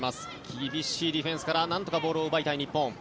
厳しいディフェンスからなんとかボールを奪いたい日本。